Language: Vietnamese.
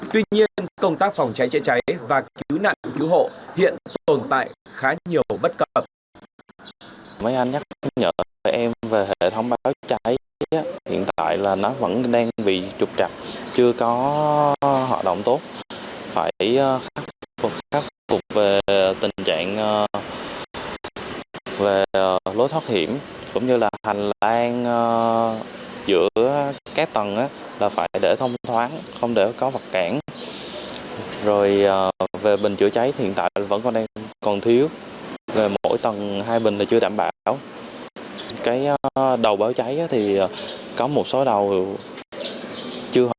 tuy nhiên công tác phòng cháy chữa cháy và cứu nạn cứu hộ hiện tồn tại khá nhiều bất cập